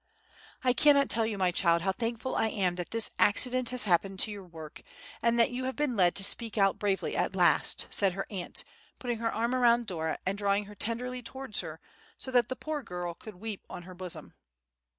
"I cannot tell you, my child, how thankful I am that this accident has happened to your work, and that you have been led to speak out bravely at last," said her aunt, putting her arm round Dora, and drawing her tenderly towards her, so that the poor girl could weep on her bosom.